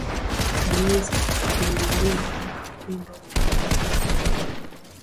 haliwezi kupinduliwa au kushindwa Unaweza pia kujua